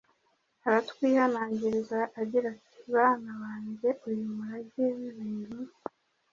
aratwihanangiriza agira ati: “Bana bange, uyu murage w’ibintu